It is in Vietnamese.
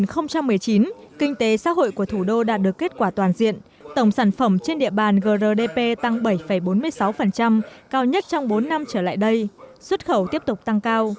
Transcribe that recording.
năm hai nghìn một mươi chín kinh tế xã hội của thủ đô đạt được kết quả toàn diện tổng sản phẩm trên địa bàn grdp tăng bảy bốn mươi sáu cao nhất trong bốn năm trở lại đây xuất khẩu tiếp tục tăng cao